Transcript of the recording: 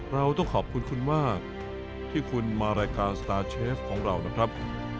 เราต้องขอบคุณคุณมากที่คุณมารายการสตาร์เชฟของเรานะครับ